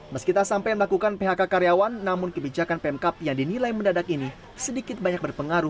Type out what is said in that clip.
meskipun sampai melakukan phk karyawan namun kebijakan pemkap yang dinilai mendadak ini sedikit banyak berpengaruh